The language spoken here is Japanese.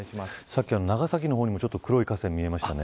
さっき、長崎の方にも黒い河川が見えましたね。